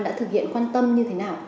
đã thực hiện quan tâm như thế nào